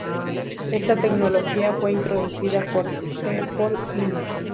Esta tecnología fue introducida por Apple Inc.